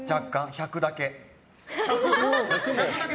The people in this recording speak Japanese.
１００だけ。